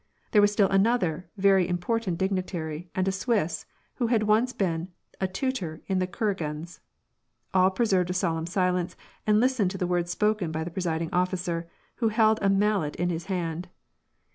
There was still another very important dignitary, and a Swiss, who had once been a tutor at the Kur agins'. All preserved a solemn silence, and listened to the words spoken by the presiding officer, who held a mallet in his hand.